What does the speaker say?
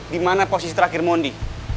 dimana posisi terakhir mondi